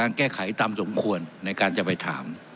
และกรอบการแก้ไขตามสมควรในการจะไปถาม